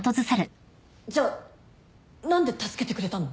じゃあ何で助けてくれたの？